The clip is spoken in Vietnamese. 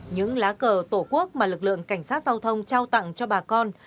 những lá cờ tổ quốc mà lực lượng cảnh sát giao thông trao tặng cho bà con